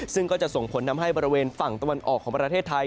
ซึ่งก็จะส่งผลทำให้บริเวณฝั่งตะวันออกของประเทศไทย